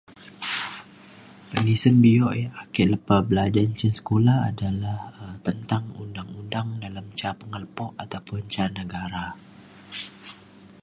penisen bio ia' ake lepa belajan cin sekula adalah um tentang undang undang dalem ca pengelepo ataupun ca negara.